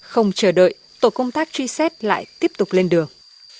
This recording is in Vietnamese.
không chờ đợi tổ công tác truy xét lại tiếp tục lên đường